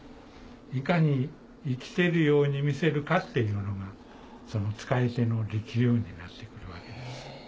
いかに生きてるように見せるかっていうのがその遣い手の力量になってくるわけです。